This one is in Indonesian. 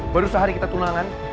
baru sehari kita tunangan